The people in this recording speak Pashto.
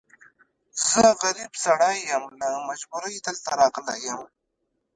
زه غريب سړی يم، له مجبوری دلته راغلی يم.